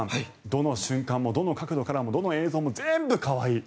どの瞬間も、どの角度からのどの映像も全部可愛い。